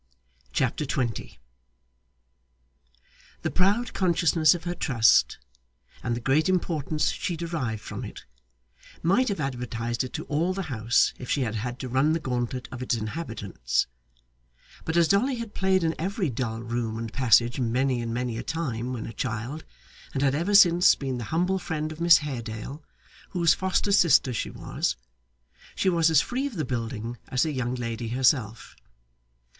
Chapter 20 The proud consciousness of her trust, and the great importance she derived from it, might have advertised it to all the house if she had had to run the gauntlet of its inhabitants; but as Dolly had played in every dull room and passage many and many a time, when a child, and had ever since been the humble friend of Miss Haredale, whose foster sister she was, she was as free of the building as the young lady herself.